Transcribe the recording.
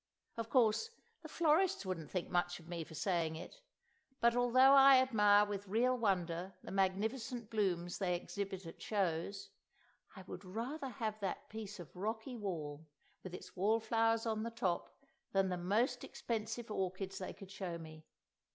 Of course, the florists wouldn't think much of me for saying it, but although I admire with real wonder the magnificent blooms they exhibit at shows, I would rather have that piece of rocky wall, with its wallflowers on the top, than the most expensive orchids they could show me.